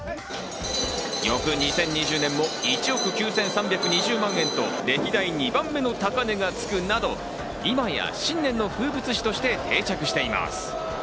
翌２０２０年も１億９３２０万円と歴代２番目の高値がつくなど、今や新年の風物詩として定着しています。